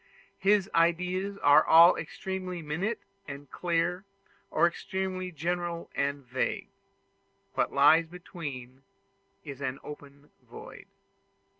His ideas are all either extremely minute and clear, or extremely general and vague: what lies between is an open void.